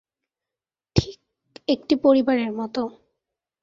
ঠিক একটি পরিবারের মতো।